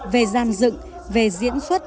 về gian dựng về diễn xuất